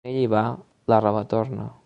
Quan ell hi va, la roba torna.